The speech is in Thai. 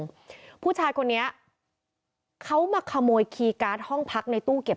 ผู้ชายคนนี้เขามาขโมยคีย์การ์ดห้องพักในตู้เก็บ